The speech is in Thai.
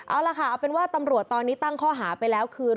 เอาล่ะค่ะเอาเป็นว่าตำรวจตอนนี้ตั้งข้อหาไปแล้วคือ